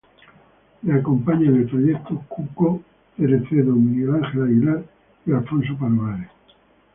Le acompañan en el proyecto Cuco Cerecedo, Miguel Ángel Aguilar y Alfonso Palomares.